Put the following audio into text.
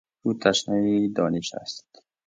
او تشنهی دانش است.